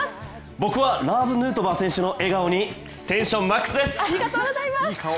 僕はラーズ・ヌートバー選手の笑顔にテンションマックスです！